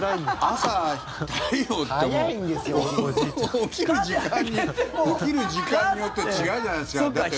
朝、太陽っていっても起きる時間によって違うじゃないですか。